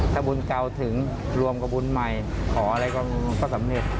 ถ้าบุญเก่าถึงรวมกับบุญใหม่ขออะไรก็สำเร็จ